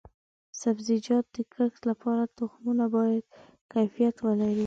د سبزیجاتو د کښت لپاره تخمونه باید کیفیت ولري.